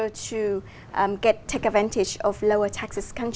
vì thế anh có thể đề cập cách nào để việt nam giúp đỡ vấn đề này không